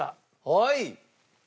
はい！